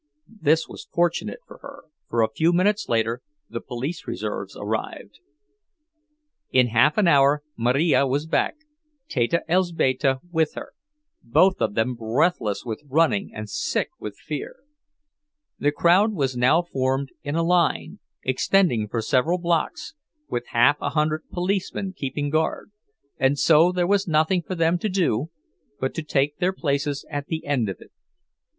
This was fortunate for her, for a few minutes later the police reserves arrived. In half an hour Marija was back, Teta Elzbieta with her, both of them breathless with running and sick with fear. The crowd was now formed in a line, extending for several blocks, with half a hundred policemen keeping guard, and so there was nothing for them to do but to take their places at the end of it.